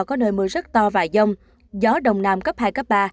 có nơi mưa rất to và dông gió đông nam cấp hai cấp ba